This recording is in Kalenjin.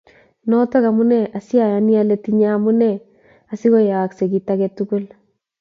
Notok amune asiayani ale tinye amune asiko yaaksey kit ake tukul